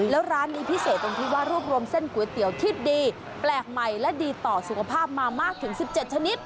แล้วร้านนี้พิเศษตรงที่ว่ารวบรวมเส้นก๋วยเตี๋ยวที่ดีแปลกใหม่และดีต่อสุขภาพมามากถึง๑๗ชนิด